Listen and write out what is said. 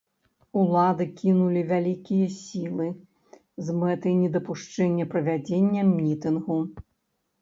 Улады, кінулі вялікія сілы з мэтай недапушчэння правядзення мітынгу.